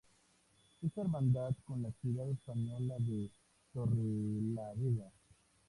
Está hermanada con la ciudad española de Torrelavega.